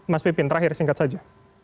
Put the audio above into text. mas pipin terakhir singkat saja